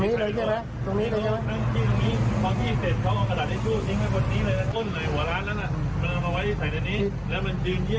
เขา